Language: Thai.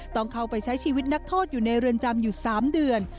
ต้องเข้าไปใช้ชีวิตนักโทษอยู่ในเรือนจำอยู่๓เดือน